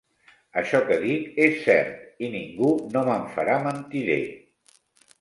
Això que dic és cert, i ningú no me'n farà mentider.